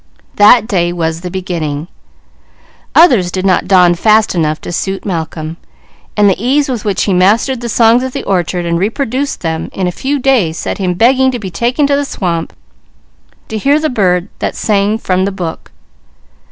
That day was the beginning. Others did not dawn fast enough to suit Malcolm, while the ease with which he mastered the songs of the orchard and reproduced them, in a few days set him begging to be taken to the swamp to hear the bird that sang "from the book."